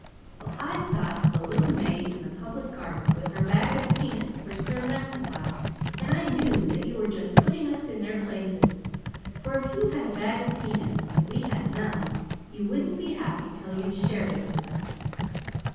"Well, I thought of the little maid in the Public Garden with her bag of peanuts for Sir Lancelot and Lady Guinevere, and I knew that you were just putting us in their places, for if you had a bag of peanuts, and we had none, you wouldn't be happy till you'd shared it with us."